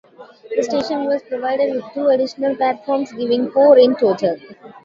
The station was provided with two additional platforms, giving four in total.